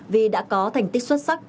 vì đã có thành tích xuất sắc